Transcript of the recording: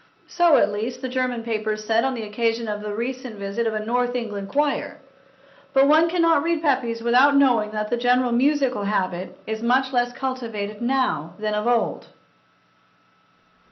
So, at least, the German papers said on the occasion of the recent visit of a north of England choir. But one cannot read Pepys without knowing that the general musical habit is much less cultivated now than of old.